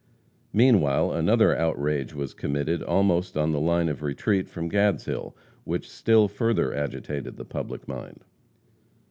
Meanwhile another outrage was committed almost on the line of retreat from Gadshill, which still further agitated the public mind.